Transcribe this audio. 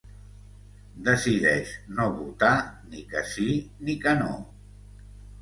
Decideix no votar ni que sí ni que no.